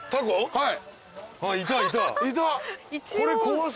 はい。